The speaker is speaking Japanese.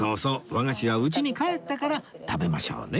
和菓子は家に帰ってから食べましょうね